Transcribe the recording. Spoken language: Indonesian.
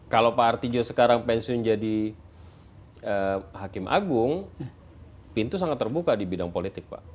kalau pak artijo sekarang pensiun jadi hakim agung pintu sangat terbuka di bidang politik pak